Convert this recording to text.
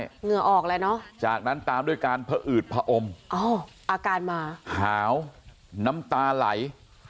เหงื่อออกเลยเนอะจากนั้นตามด้วยการผอืดผอมอาการมาหาวน้ำตาไหล